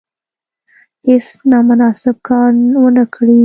هیڅ نامناسب کار ونه کړي.